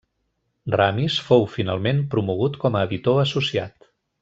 Ramis fou finalment promogut com a editor associat.